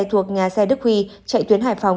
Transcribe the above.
thuộc nhà xe đức huy chạy tuyến hải phòng